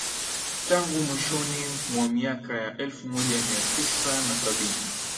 Tangu mwishoni mwa miaka ya elfu moja mia tisa na sabini